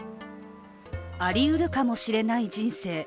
「あり得るかもしれない人生」